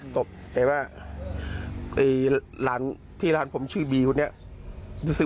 แต่เรายังดราเมื่อนานก็มีกบริษัท